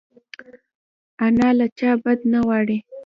انا له چا بد نه غواړي